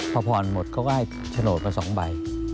พอผ่อนหมดเขาก็ให้โฉนดมา๒ใบ